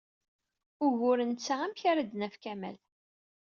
Ugur netta amek ara d-naf Kamal.